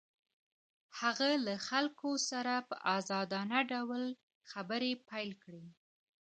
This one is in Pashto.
هغه له خلکو سره په ازادانه ډول خبرې پيل کړې.